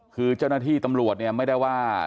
คือเจ้าหน้าที่ตำรวจเนี่ยไม่ได้ว่า